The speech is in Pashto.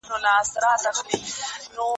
استازي کله د ډیپلوماسۍ اصول کاروي؟